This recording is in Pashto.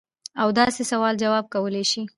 او د داسې سوالونو جواب کولے شي -